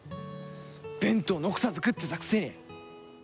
弁当残さず食ってたくせに！